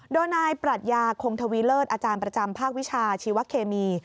โดยนายปรัชญาคงทวีเลิศอาจารย์ประจำภาควิชาชีวเคมี